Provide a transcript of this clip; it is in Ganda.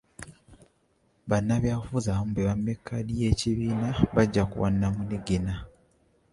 Bannabyabufuzi abamu be bamye kkaadi y'ekibiina bajja ku bwannamunigina.